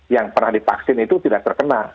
yang pernah divaksin itu tidak terkena